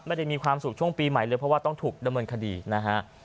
มีความสุขช่วงปีใหม่เลยเพราะว่าต้องถูกดำเนินคดีนะฮะ